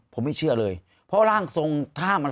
ผมไม่เชื่อเลยเพราะร่างทรงถ้ามัน